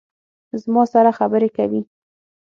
زما سره خبرې کوي